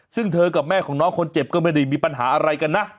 ซึ่งเธอกับแม่ของน้องคนเจ็บก็ไม่ได้มีปัญหาอะไรกันนะ